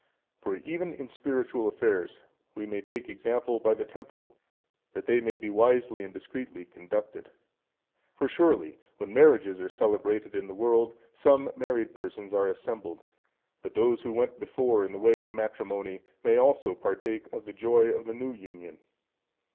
For, even in spiritual affairs, we may take example by the temporal, that they may be wisely and discreetly conducted. For surely, when marriages are celebrated in the world, some married persons are assembled, that those who went before in the way of matrimony, may also partake in the joy of the new union.